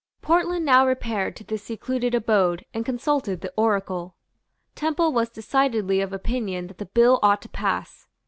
Portland now repaired to this secluded abode and consulted the oracle. Temple was decidedly of opinion that the bill ought to pass.